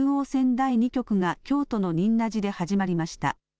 第２局が京都の仁和寺で始まりました。